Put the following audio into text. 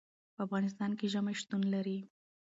په افغانستان کې ژمی شتون لري.